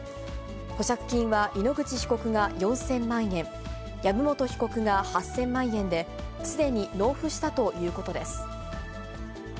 保釈金は井ノ口被告が４０００万円、籔本被告が８０００万円で、すでに納付したということです。